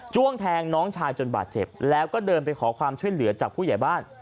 แทงน้องชายจนบาดเจ็บแล้วก็เดินไปขอความช่วยเหลือจากผู้ใหญ่บ้าน